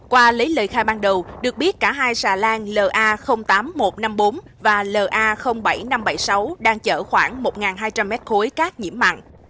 qua lấy lời khai ban đầu được biết cả hai xà lan la tám nghìn một trăm năm mươi bốn và la bảy nghìn năm trăm bảy mươi sáu đang chở khoảng một hai trăm linh mét khối cát nhiễm mặn